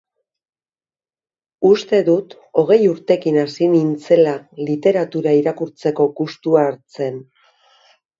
Uste dut hogei urtekin hasi nintzela literatura irakurtzeko gustua hartzen.